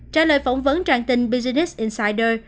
trả lời phỏng vấn trang tin business insider